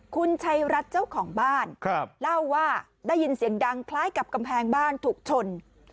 คุณชัยรัฐเจ้าของบ้านเล่าว่าได้ยินเสียงดังคล้ายกับกำแพงบ้านถูกชน